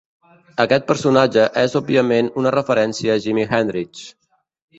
Aquest personatge és òbviament una referència a Jimi Hendrix.